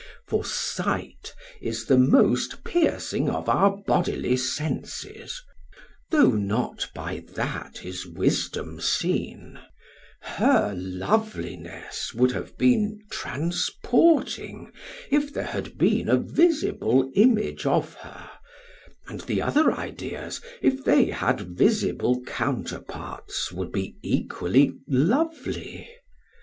For sight is the most piercing of our bodily senses; though not by that is wisdom seen; her loveliness would have been transporting if there had been a visible image of her, and the other ideas, if they had visible counterparts, would be equally lovely.